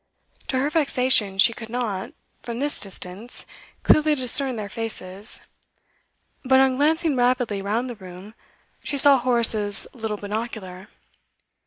To her vexation she could not, from this distance, clearly discern their faces; but on glancing rapidly round the room, she saw Horace's little binocular.